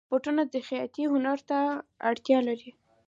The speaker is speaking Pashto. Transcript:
بوټونه د خیاطۍ هنر ته اړتیا لري.